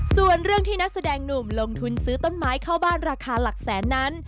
ส่วนเรื่องที่นักแสดงหนุ่มลงทุนซื้อต้นไม้เข้าบ้านราคาหลักแสนนั้น